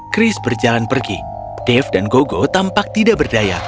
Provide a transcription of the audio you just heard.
chris berjalan pergi dave dan gogo tampak tidak berdaya